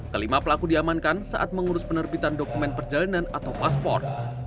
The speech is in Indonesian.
kelima pelaku diamankan saat mengurus penerbitan dokumen perjalanan atau paspor